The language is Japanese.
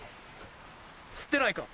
吸ってないか？